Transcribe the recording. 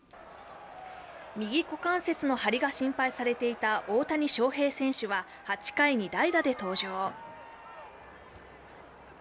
右股関節の張りが心配されていた大谷翔平選手は８回に代打で登場。